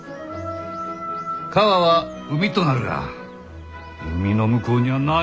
川は海となるが海の向こうには何があるか？